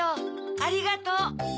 ありがとう。